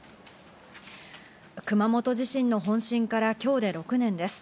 熊本地震の本震から今日で６年です。